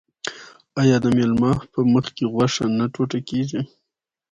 آیا د میلمه په مخکې غوښه نه ټوټه کیږي؟